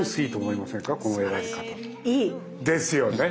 いい！ですよね。